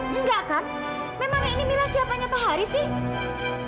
nggak kak memang ini mila siapanya pak haris sih